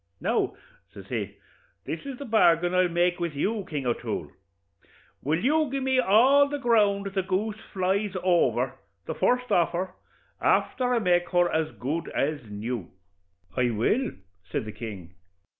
Now,' says he, 'this is the bargain I'll make with you, King O'Toole: will you gi' me all the ground the goose flies over, the first offer, afther I make her as good as new?' 'I will,' says the king.